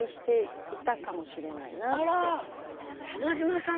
浜島さん！